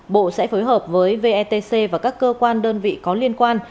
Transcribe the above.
bộ sẽ phối hợp với vetc và các cơ quan đơn vị có liên quan